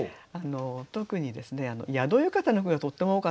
特にですね宿浴衣の句がとっても多かったんです。